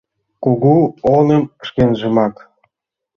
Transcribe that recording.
Кугу оным шкенжымак.